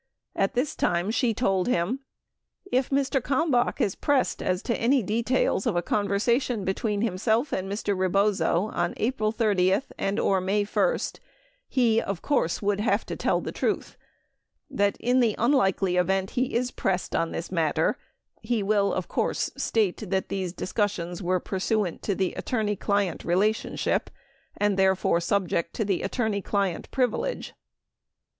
At this time she told him :if Mr. Kalmbach is pressed as to any details of a conversation between himself and Mr. Rebozo on April 30 and/or May 1, he of course would have to tell the truth; that in the unlikely event he is pressed on this matter, he will of course state that these discussions were pursuant to the attorney client relationship and therefore subject to the attorney client privilege .